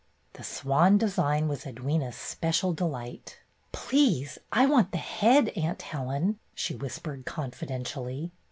The swan design was Edwyna's special delight. "Please, I want the head. Aunt Helen," she whispered confidentially.